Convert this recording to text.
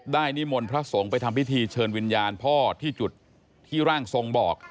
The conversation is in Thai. นิมนต์พระสงฆ์ไปทำพิธีเชิญวิญญาณพ่อที่จุดที่ร่างทรงบอก